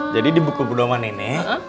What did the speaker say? jadi di buku berdoa sama nenek